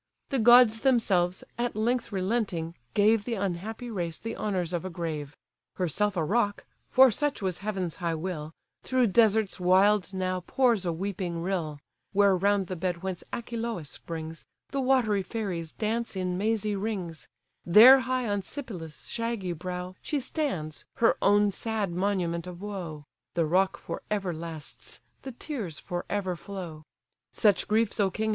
The gods themselves, at length relenting gave The unhappy race the honours of a grave. Herself a rock (for such was heaven's high will) Through deserts wild now pours a weeping rill; Where round the bed whence Achelous springs, The watery fairies dance in mazy rings; There high on Sipylus's shaggy brow, She stands, her own sad monument of woe; The rock for ever lasts, the tears for ever flow. "Such griefs, O king!